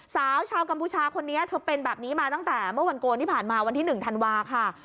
สาวชาวกัมพูชาคนนี้เธอเป็นแบบนี้มาตั้งแต่เมื่อวันโกนที่ผ่านมาวันที่๑ธันวาค่ะ